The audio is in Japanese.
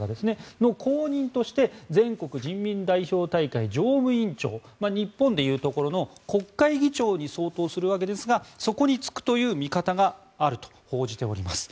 その後任として全国人民代表大会常務委員長日本でいうところの国会議長に相当するわけですがそこに就くという見方があると報じています。